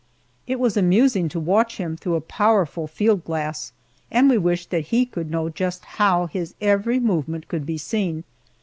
It was amusing to watch him through a powerful field glass, and we wished that he could know just how his every movement could be seen.